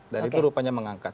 dan itu rupanya mengangkat